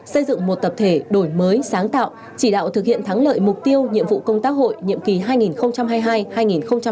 xây dựng một tập thể đổi mới sáng tạo chỉ đạo thực hiện thắng lợi mục tiêu nhiệm vụ công tác hội nhiệm kỳ hai nghìn hai mươi hai hai nghìn hai mươi năm